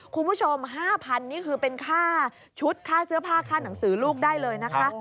คุณผู้ชม๕๐๐นี่คือเป็นค่าชุดค่าเสื้อผ้าค่าหนังสือลูกได้เลยนะคะ